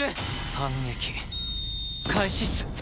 反撃開始っす。